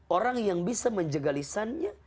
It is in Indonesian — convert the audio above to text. orang yang bisa menjaga lisannya